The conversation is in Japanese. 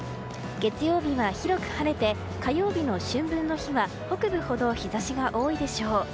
月曜日は広く晴れて火曜日の春分の日は北部ほど日差しが多いでしょう。